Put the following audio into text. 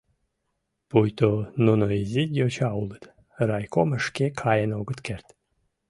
— Пуйто нуно изи йоча улыт, райкомыш шке каен огыт керт.